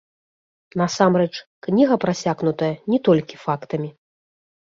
Насамрэч, кніга прасякнутая не толькі фактамі.